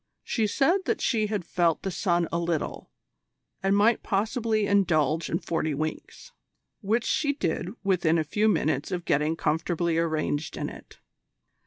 She said that she had felt the sun a little, and might possibly indulge in forty winks which she did within a few minutes of getting comfortably arranged in it.